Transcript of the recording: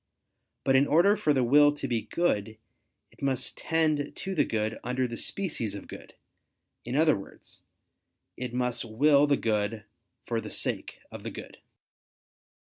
But in order for the will to be good, it must tend to the good under the species of good; in other words, it must will the good for the sake of the good.